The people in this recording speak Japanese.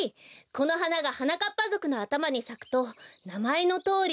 このはながはなかっぱぞくのあたまにさくとなまえのとおり。